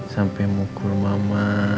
sampai mukul mama